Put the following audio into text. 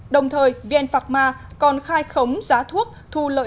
đồng thời vien phạc ma còn khai khống giá thuốc thu lợi dụng